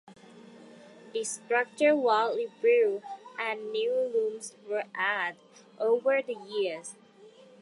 The structure was rebuilt and new rooms were added over the years.